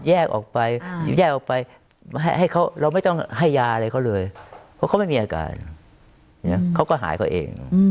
แยกออกไปแยกออกไปให้เขาเราไม่ต้องให้ยาอะไรเขาเลยเพราะเขาไม่มีอาการเขาก็หายเขาเอง